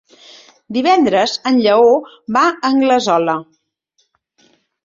Divendres en Lleó va a Anglesola.